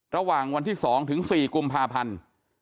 ระหว่างวันที่๒ถึง๔กุมภาพันธ์